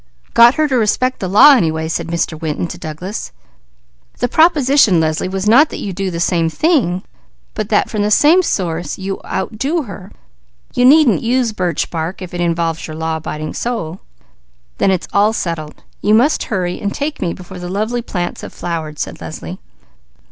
"Got her to respect the law anyway," said Mr. Winton to Douglas. "The proposition, Leslie, was not that you do the same thing, but that from the same source you outdo her. You needn't use birch bark if it involves your law abiding soul." "Then it's all settled. You must hurry and take me before the lovely plants have flowered," said Leslie.